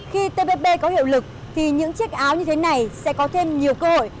khi tppb có hiệu lực thì những chiếc áo như thế này sẽ có thêm nhiều cơ hội